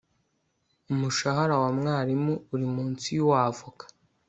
Umushahara wa mwarimu uri munsi yuwavoka